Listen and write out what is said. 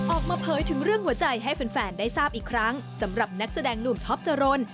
ออกมาเผยถึงเรื่องหัวใจให้แฟนได้ทราบอีกครั้งสำหรับนักแสดงหนุ่มท็อปจรน